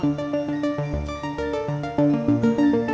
kamu sudah itu